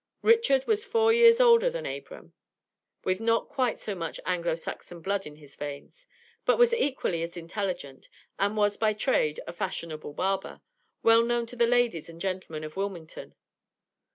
Richard was four years older than Abram, with not quite so much Anglo Saxon blood in his veins, but was equally as intelligent, and was by trade, a "fashionable barber," well known to the ladies and gentlemen of Wilmington.